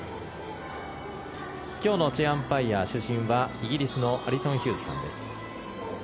今日のチェアアンパイア、主審はイギリスのアリソン・ヒューズさんです。